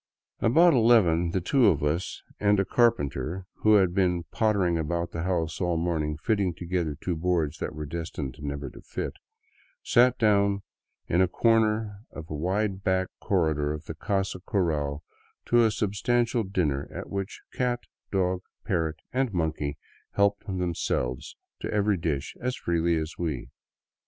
About eleven the two of us, and a " carpenter " who had been pottering about the house all the morning fitting together two boards that were destined never to fit, sat down in a corner of the wide back corredor of the casa cural to a substantial dinner at which cat, dog, parrot, and monkey helped themselves to every dish as freely as we.